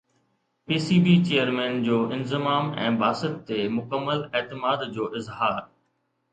P C B chairman جو انضمام ۽ باسط تي مڪمل اعتماد جو اظهار